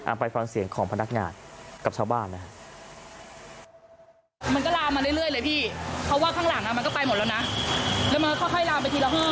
ไปฟังเสียงของพนักงานกับชาวบ้านนะครับ